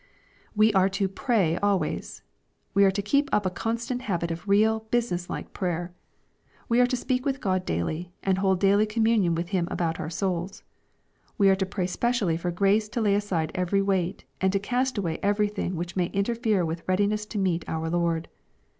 We are to " pray always/' We are to keep up a constant habit of real, business like prayer. We are to 0peak with God daily, and hold daily communion with Him about our souls. We are to pray specially for grace to lay aside every weight, and to cast away everything which may interfere with readiness to meet our Lord.